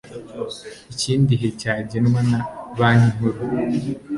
ikindi gihe cyagenwa na banki nkuru